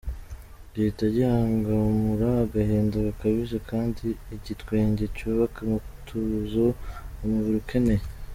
Gihita gihangamura agahinda gakabije kandi igitwenge cyubaka umutuzo umubiri ukeneye.